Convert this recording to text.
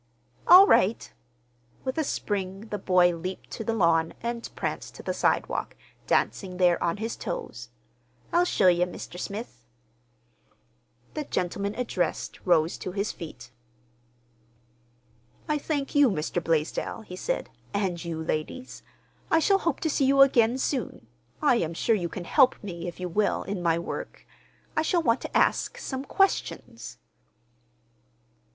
"All right!" With a spring the boy leaped to the lawn and pranced to the sidewalk, dancing there on his toes. "I'll show ye, Mr. Smith." The gentleman addressed rose to his feet. "I thank you, Mr. Blaisdell," he said, "and you, ladies. I shall hope to see you again soon. I am sure you can help me, if you will, in my work. I shall want to ask—some questions."